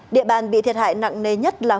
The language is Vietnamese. địa bàn bị thiệt hại nặng nề nhất là hoàng văn